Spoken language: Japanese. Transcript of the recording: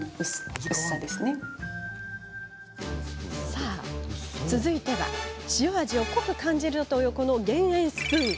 さあ、続いては塩味を濃く感じる減塩スプーン。